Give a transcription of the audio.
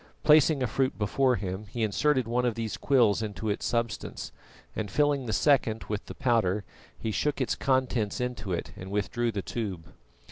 Placing a fruit before him, he inserted one of these quills into its substance, and filling the second with the powder, he shook its contents into it and withdrew the tube.